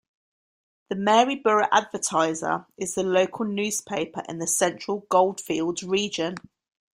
"The Maryborough Advertiser" is the local newspaper in the Central Goldfields region.